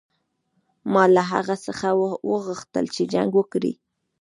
ما له هغه څخه وغوښتل چې جنګ وکړي.